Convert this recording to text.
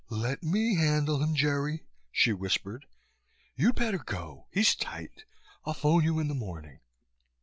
"Let me handle him, Jerry," she whispered. "You'd better go. He's tight. I'll phone you in the morning."